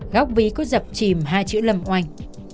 góc ví có dập chìm hai chữ lầm oanh